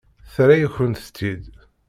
Terra-yakent-t-id.